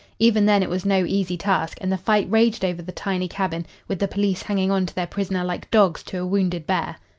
Even then it was no easy task, and the fight raged over the tiny cabin with the police hanging on to their prisoner like dogs to a wounded bear.